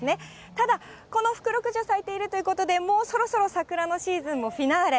ただ、このフクロクジュ、咲いているということで、もうそろそろ桜のシーズンもフィナーレ。